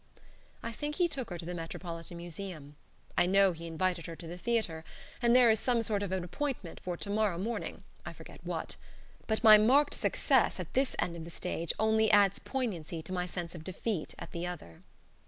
I think he took her to the Metropolitan Museum; I know he invited her to the theatre; and there is some sort of an appointment for to morrow morning, I forget what. But my marked success at this end of the stage only adds poignancy to my sense of defeat at the other.